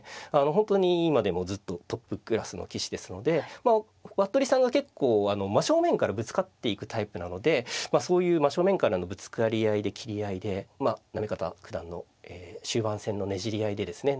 本当に今でもずっとトップクラスの棋士ですのでまあ服部さんが結構真正面からぶつかっていくタイプなのでまあそういう真正面からのぶつかり合いで斬り合いでまあ行方九段の終盤戦のねじり合いでですね